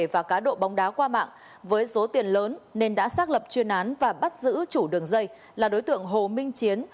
và cá độ bóng đá qua mạng với số tiền lớn nên đã xác lập chuyên án và bắt giữ chủ đường dây là đối tượng hồ minh chiến